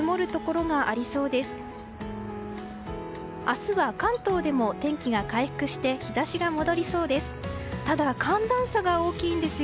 明日は関東でも天気が回復して日差しが戻りそうです。